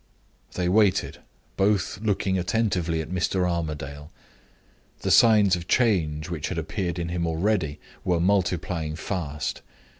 They waited, both looking attentively at Mr. Armadale. The signs of change which had appeared in him already were multiplying fast.